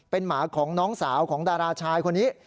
เป็นหมาของน้องสาวของดาราชายคนนี้